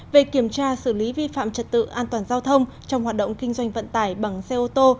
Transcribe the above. về kiểm tra xử lý vi phạm trật tự an toàn giao thông trong hoạt động kinh doanh vận tải bằng xe ô tô